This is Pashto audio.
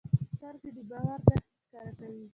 سترګې د باور نښې ښکاره کوي